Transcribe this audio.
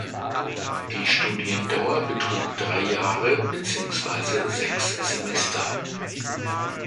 Die Studiendauer betrug drei Jahre beziehungsweise sechs Semester.